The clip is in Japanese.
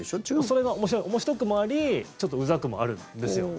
それが面白くもありちょっとうざくもあるんですよ。